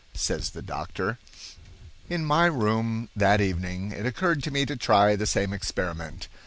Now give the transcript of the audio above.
Says the doctor: "In my room that evening it occurred to me to try the same experiment.